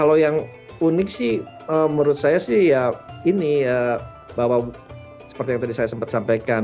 kalau yang unik sih menurut saya sih ya ini ya bahwa seperti yang tadi saya sempat sampaikan